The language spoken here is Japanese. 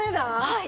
はい。